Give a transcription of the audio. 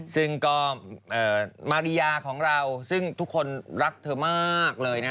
ซึ่งก็มาริยาของเราซึ่งทุกคนรักเธอมากเลยนะ